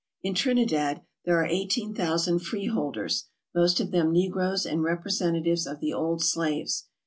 In Trinidad there are 18,000 freeholders, most of them negroes and representatives of the old slaves.